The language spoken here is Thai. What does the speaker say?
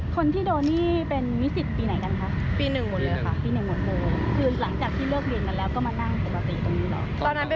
คนที่โดนี่เป็นนิสิตปีไหนกันคะปีหนึ่งหมดเลยอ่ะค่ะปีหนึ่งหมดโมง